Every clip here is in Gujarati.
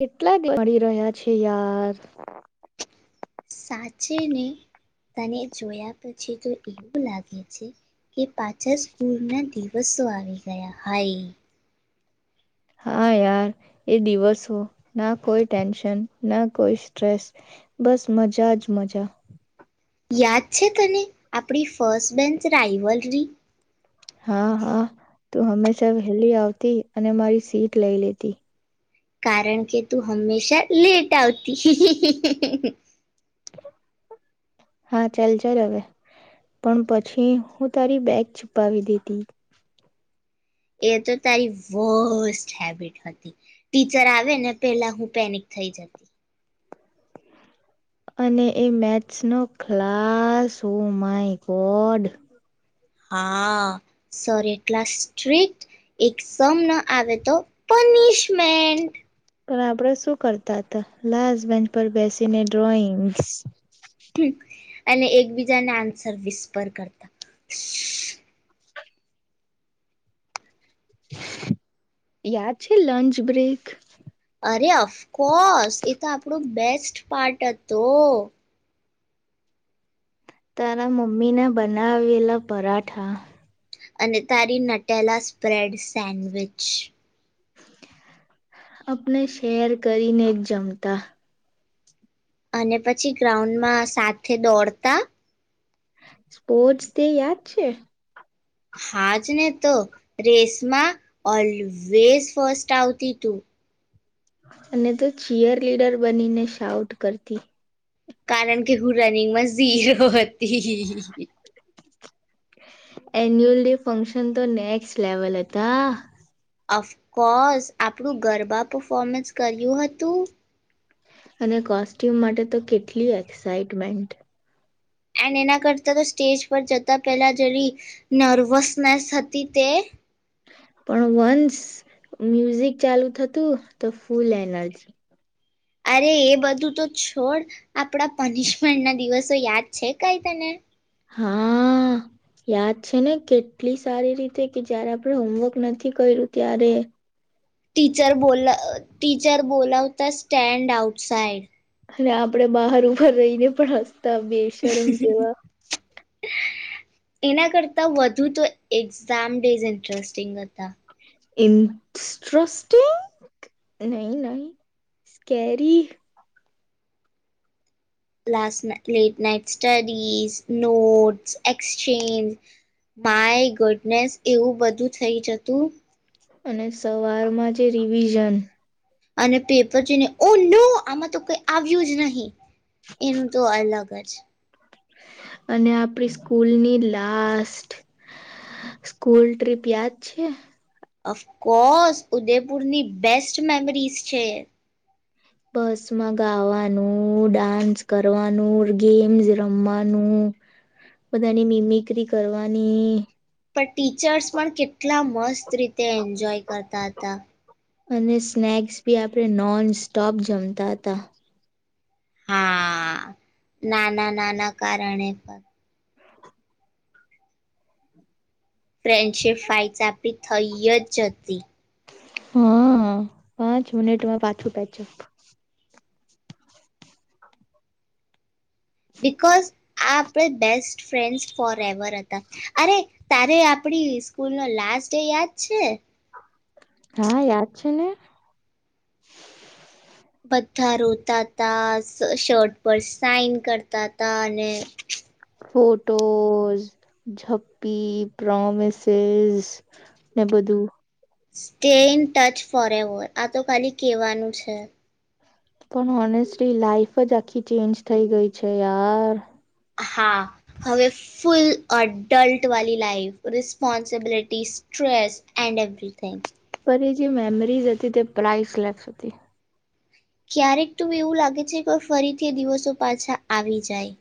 કેટલા દિવ મળી રહ્યા છે. યાર સાચે ને તને જોયા પછી, તો એવું લાગે છે. કે પાછા સ્કૂલના દિવસવાળ હાઈ, હા, યાર એ દિવસ હો ના કોઈ ટેન્શન ના કોઈ સ્ટ્રેસ બસ મજા જ મજા યાદ છે. તને આપણી ફર્સ્ટ બેન્ચ રઇવલ રરી હા, હા, તું હંમેશા વહેલી આવતી અને મારી સીટ લઈ લેતી. કારણ કે, તું હંમેશા લેટ આવતી. હા, ચાલ ચાલ હવે, પણ પછી, હું તારી બેગ છુપાવી દીધી. એ તો તારી વસ્ટ હેબિટ હતી. ટીચર આવે ને પેલા હું પેનિક થઈ જતી. અને એ મેચ્સનો ખલાસ. Oh my god. હા, સર એટલા સ્ટ્રિક એકસમ ન આવે તો પનિશમેન્ટ પણ આપડે શું કરતા હતા. લાસ બેન્ચ પર બેસીને ડ્રોઈંગ્સ અને એકબીજાને આન્સર વિસ્પર કરતા. યાદ છે. લંચ બ્રેક અરે ઓફકોર્સ એ તો આપણો બેસ્ટ પાર્ટ હતો. તારા મમ્મીને બનાવેલા પરાઠા. અને તારી નટેલા સ્પ્રેડ સેન્ડવિચ. આપણે શેર કરીને જ જમતા. અને પછી ગ્રાઉન્ડમાં સાથે દોડતા સ્પોર્ટસ ડે યા છે. હાજ ને તો રેસમાં ઓલવેઝ ફસ્ટ આવતી તું. અને તો ચિયર લીડર બનીને શાઉટ કરતી. કારણ કે હું રનિંગમાં ઝીરોત. હ હ. એન્યુઅલ ડે ફંક્શન તો નેક્સ્ટ લેવલ હતા. અફકોસ આપણું ગરબા પફોમન્સ કર્યું હતું. અને કોસ્ટ્યુમ માટે તો કેટલી એક્સાઈટમેન્ટ. એન્ડ એના કરતા તો સ્ટેજ પર જતા પહેલા જેલી નર્વસનેસ હતી તે. પણ વન્સ મ્યુઝિક ચાલુ થતું તો ફૂલ એનર્જી. અરે એ બધું તો છોડ આપણા પનિશમેન્ટ ના દિવસો યાદ છે કઈ તને. હા યાદ છે ને કેટલી સારી રીતે કે જયારે આપણે હોમવર્ક નથી કર્યું ત્યારે. ટીચર બો ટીચર બોલાવતા સ્ટેન્ડ આઉટ સાઈડ. અને આપડે બહાર ઉપભર રહી ને પણ હ. ત બે શરમ જેવા. એના કરતા વધુ તો એક્ઝામ ડેઝ ઇન્ટરેસ્ટિંગ હતા. ઇસ્ટ્રિ નહી ન સ્ કેરી. લ late night studies notes exchange my goodness એવું બધું થઈ જતું. અને સવારમાં જે રિવિઝન. અને પેપર જોઈને ઓ નો આમાં તો કઈ આવ્યું જ નહીિ. એનું તો અલગ. ઘર. અને આપડી સ્કૂલની લાસ્ટ સ્કૂલ ટ્રીપ યાદ છે. અફકોર્સ ઉદયપુરની બેસ્ટ મેમરીઝ છે. બસમાં ગાવાનું ડાન્સ કરવાનું ગેમ્સ રમવાનું બધાની મિમિકરી કરવાની. પણ ટીચર્સ પણ કેટલા મસ્ત રીતે એન્જોય કરતા હતા. અને સ્નેક્સ બી આપણે નોન સ્ટોપ જમતા હતા. હા નાના નાના કારણે પણ. ફ્રેન્ડશિપ ફાઇસા આપી થઈ જ હતી. હા પાંચ મિનિટમાં પાછું પછું. બિકોઝ આ આપણે બેસ્ટ ફ્રેન્ડ્સ ફોર એવર. હતા અરે. તારે આપડી સ્કૂલ નો લાસ્ટ ડે યાદ છે. હા યાદ છે ને. બધા રોતા તા શર્ટ પર સાઇન કરતા હતાા અને. ફોટોઝ જપ્પી પ્રોમિસેસ ને બધું. Stay in touch forever આ તો ખાલી કહેવાનું છે. પણ ઓનેસ્ટલી લાાઈફ જ આખી ચેન્જ થઈ ગઈ છે યાર. હા હવે ફુલ અડલ્ટ વાી life responsibility stress and everything. પર એ જે મેમરીઝ હતી તે પ્રઇસ લેસ હતી. ક્યારેક ત એવું લાગે છે કે ફરીથી દિવસો પાછા આવી જાય.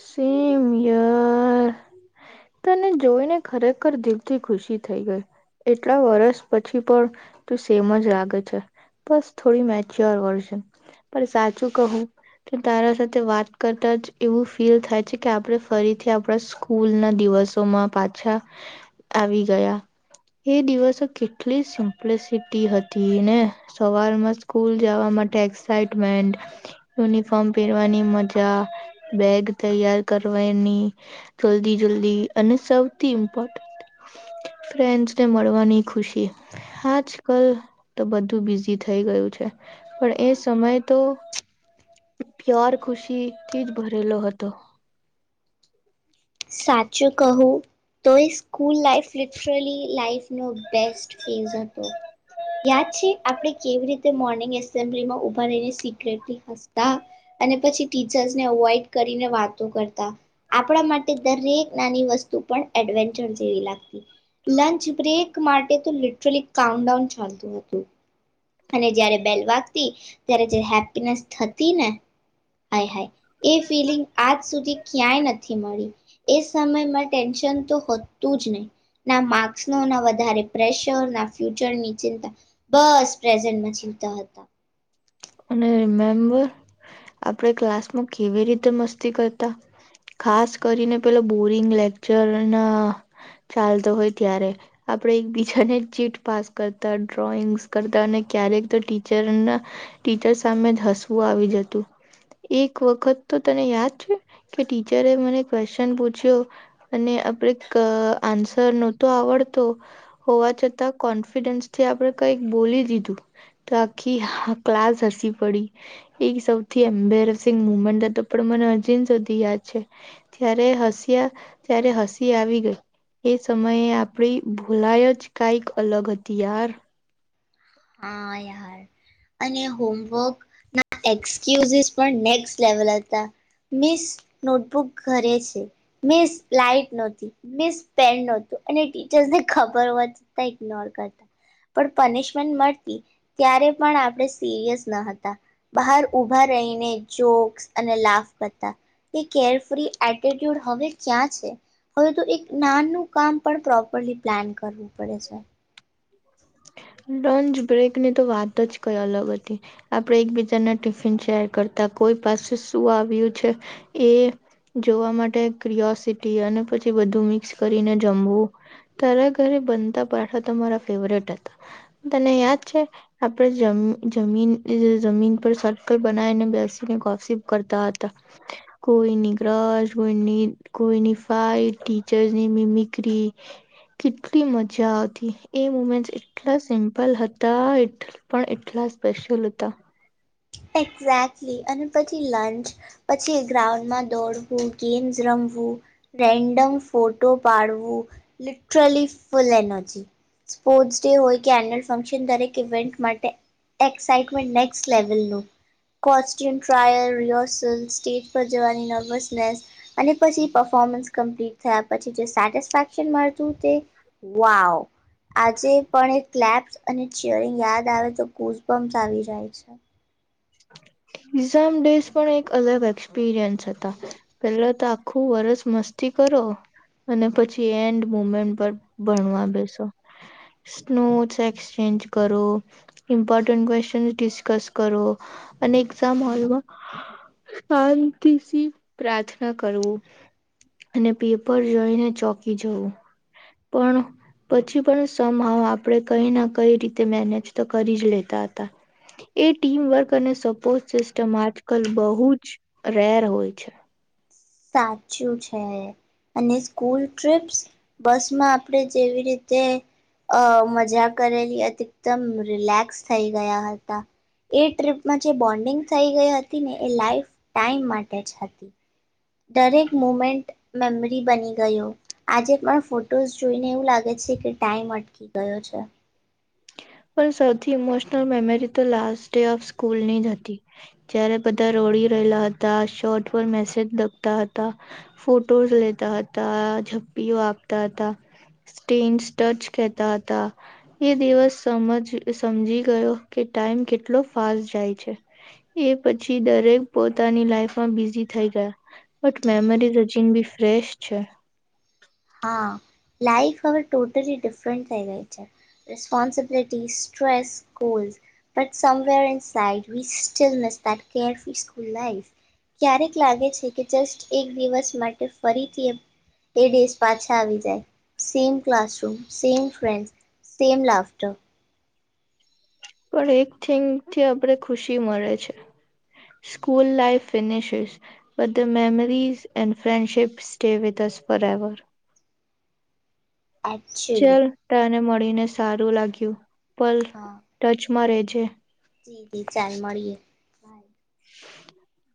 સમય તને જોઈને ખરેખર દિલથી ખુશી થઈ ગઈ એટલા વર્ષ પછી પણ તું સેમ જ લાગે છે બસ થોડી મેચ્યોર વર્ છેન પણ સાચું કહું તો તારા સાથે વાત કરતા જ એવું. ફીલ થાય છે કે આપણે ફરીથી આપણા સ્કૂલ ના દિવસોમાં પાછા આવી ગયા એ દિવસો કેટલી સિમ્પ્લસિટી હતી ને સવારમાં સ્કૂલ જવા માટે એક્સાઈટમેન્ટ યુનિફોર્મ પહેરવાની મજા બેગ. તૈયાર કરવાની જલ્દી જલ્દી અને સૌથી ઇમ્પોર્ટ ફન્ડસ ને મળવાની ખુશી આજ કલ તો બધું બિઝી થઈ ગયું છે પણ એ સમય તો. પ્યર ખુશી થી જ ભરેલો હતો. સાચું કહું તો એ સ્કૂલ લાઈફ લિટરલી લાઈફ. હતો યાદ છે આપણે. કેવી રીતે મોર્નિંગ એસેમ્બલીમાં ઉભા રહીને સિક્રેટ હસતા અને પછી ટીચર્સને અવોઈડ કરીને વાતો કરતા આપણા માટે. દરેક નાની વસ્તુ લંચ્રેક માટે લટરલી કાઉઉન ચાલતું હતું. અને જય્યારે બેલ વાગતી ત્યારે હેપ. થ ને હ હ એ ફિલિંગ આજ સુધી ક્યાંય નથી મળી. એ સમયમાં ટેન્શન તો હોતું જ નહીં ના માર્ક્સનો ના વધારે પ્રેશર ના ફ્યુચરની ચિંતા બસ. પ્રેઝન્ટમાં જીવતા હતા. અને રિમેમ્બર આપણે ક્લાસમાં કેવી રીતે મસ્તી કરતા ખાસ કરીને પેલા બોરિંગ લેક્ચર ના ચાલતો હોય ત્યારે આપણે એકબીજાને ચીટ પાસ કરતા ડ્રોઈંગસ કરતા અને ક્યારેક તો ટીચરના. ટીચર સામે જ હસવું આવી જતું એક વખત તો તને યાદ છે કે ટીચરે મને ક્વેશ્ચન પૂછ્યો અને આપણે આન્સર નહોતો આવડતો હોવા છતાં કોન્ફિડન્સથી આપણે કંઈક બોલી દીધું તો આખીા. ક્લાસ હસી પડી એ સૌથી એમ્બેરેસિંગ મુમેન્ટ તો પણ મને અજીિન સુધી યાદ છે ત્યારે હસ્યા ત્યારે હસી આવી ગઈ એ સમયે આપડી ભૂલાય જ કઈક અલગ હતી યાર. હા યાર અને હોમવર્ક ના એક્સક્યુઝસ પણ નેક્ લેવલ હતા મિસ નોટબુક ઘરે છે મિસ લાઈટ નહતી મિસ પેન નતું અને ટીચર્સને ખબર વધતા ઇગ્નોર કરતા પણ. મળ ત્યારે પણ આપણે સિરિયસ ન હતા બહાર ઉભા રહીને જોક્સ અને લાફ કરતા એ કેરફ્રી એટ્યુડ હવે ક્યાં છે હવે તો એક નાનું કામ પણ પ્રોપરલી પ્લાન કરવું પડે છે. લંચ બ્રેકની તો વાત જ કઈ અલગ હતી આપડ એકબીજાના ટિફિન શેર કરતા કોઈ પાસે શું આવ્યું છે એ જોવા માટે ક્રિયોસિટી અને પછી બધું મિક્સ કરીને જમવું તરે ઘરે બનતા પાઠા તમારા ફેવરેટ. તને યાદ છે આપણેીન જમીન પર સર્કલ બનાવીને બેસીને કો કરતા હતા કોઈની ર્રસ કોઈની કોઈની ફટ ટીચસની મિમિકરી કેટલી મજા આવતી એ મુમેન્ટ. એટલા સિમ્પલ હતા પણ એટલા સ્પેશિયલ હતા. એક્ઝેક્ટલી અને પછી લંચ પછી ગ્રાઉન્ડમાં દોડવું ગેમ્સ રમવું રેન્ડમ ફોટો પાડવું literally full energy sports day હોય કે એન્યુઅલ ફંક્શન દરેક ઇવેન્ટ માટે એક્સઇટમેન્ટ નેક્સ્ટ લેવલનું. કો્યુમ ટ્રાયલ રિહર્સલ સ્ટેજ પર જવાની નર્વસનેસ અને પછી પફોર્મન્સ કમ્પ્લીટ થયા પછી જે સેટેક્શન મળતું તે વાવ આજે પણ ક્પ્સ અને ચરિંગ યાદ આવે તોુઝમ આવી જાય છે. એક્ઝામ ડેઝ પણ એક અલગ એક્સપિરિયન્સ હતા પહેલા તો આખું વર્સ મસ્તી કરો અને પછી એન્ડ મુમેન્ટ પર ભણવા બેસો સ્નોટસ એક્સચેન્જ કરો ઇમ્પોર્ટન્ટ ક્વેશચન ડિસ્કસ કરો. એક્ામ હોલમાં શાંતિ પ્રાર્થના કરવું અને પેપર જોઈને ચોકી જવું પણ પછી પણ સમ આપણે કઈ ના કઈ રીતે મેનેજ તો કરી જ લેતા હતા એ ટીમ વર્ક. અને સપોર્ટ સિસ્ટમ આજકાલ બહુ જ રેર હોય છે. સાચું છે અને સ્કૂલ ટ્ર્રીપ્સ બસ માં આપણે જેવી રીતે. અ મજા. કરેલી અતમ રિલેક્સ થઈ ગયા હતા એ ટપમાં જે બોન્ડિંગ થઈ ગઈ હતી ને એ લાઈફ ટાઈમ માટે જ હતી. દરેક મુમેન્ટ. મેમરી બની ગયો આજે પણ ફોટોઝ જોઈને એવું લાગે છે કે ટાઈમ અટકી ગયો છે. પણ સૌથી ઇમોશનલ મેમરી તો લાસ્ટ ડે ઓફ સ્કૂલની જ હતી જય્યારે બધા રોડી રહેલા હતા શોટ પર મેસેજ લખતા હતા ફોટોસ લેતા હતા ઝપ્પીઓ આપતા હતા સ્ટન્ ટચ કેતા હતા એ દિવસ. સમજ સમજી ગયો કે ટાઈમ કેટલો ફાસ્ટ જાય છે એ પછી દરેક પોતાની લાઈફમાં બિઝી થઈ ગયા બટ મેમરીઝ અચન બી ફ્રેશ છે. હા લાાઈફ હવે ટોટલી ડિફરન્ટ થઈ ગઈ છે responsibility stress goals but somewhere inside we still miss that careful school life ક્યારેક લાગે છે કે જસ્ટ એક દિવસ માટે ફરીથી એ એ ડેસ. પાછા આવી જાય same classroom same friend same laughter. પણ એક થિંગ થી આપણે ખુશી મળે છે સ્કૂલ લાઈફ ફિનિશિસ બધે memories and friendship stay with us forever. Actually ચાલ તને મળીને. સારું લાગ્યું. પર હા ટચમાં ર. પ છે. જી જી ચાલ મળીએે. [inaudible]